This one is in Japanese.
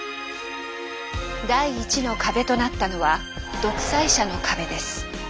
第１の壁となったのは「独裁者の壁」です。